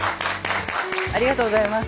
ありがとうございます。